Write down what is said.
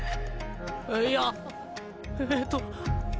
えっいやえっと